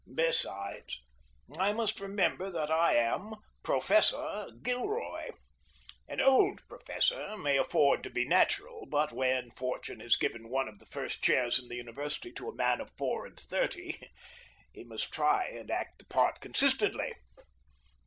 Besides, I must remember that I am Professor Gilroy. An old professor may afford to be natural, but when fortune has given one of the first chairs in the university to a man of four and thirty he must try and act the part consistently.